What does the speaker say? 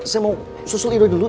saya mau susul ido dulu